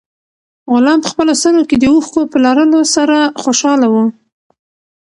غلام په خپلو سترګو کې د اوښکو په لرلو سره خوشاله و.